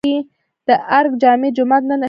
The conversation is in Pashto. د ارګ جامع جومات نن افتتاح شو